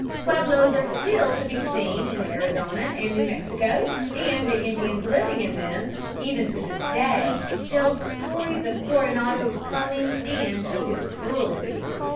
Pueblos are still to be seen in Arizona and New Mexico, and the Indians living in them even to this day tell stories of Coronado's coming and of his cruelty.